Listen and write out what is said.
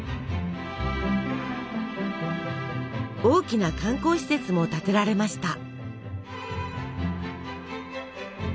大きな観光施設も建てられました。